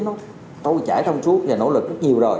nó chảy thông suốt và nỗ lực rất nhiều rồi